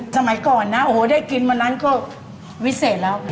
สมัยก่อนนะโอ้โหได้กินวันนั้นก็วิเศษแล้ว